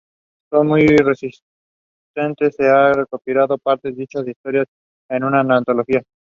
The students are required to wear school uniforms.